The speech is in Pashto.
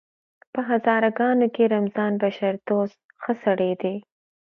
په هزاره ګانو کې رمضان بشردوست ښه سړی دی!